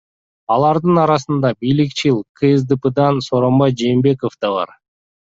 Алардын арасында бийликчил КСДПдан Сооронбай Жээнбеков да бар.